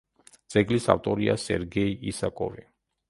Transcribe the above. ძეგლის ავტორია სერგეი ისაკოვი.